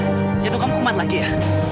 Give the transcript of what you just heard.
aida jatuh kamu kumat lagi ya